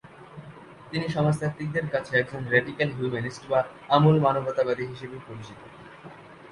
তিনি সমাজতাত্ত্বিকদের কাছে একজন ‘র্যাডিক্যাল হিউম্যানিস্ট’ বা আমূল মানবতাবাদী হিসেবে পরিচিত।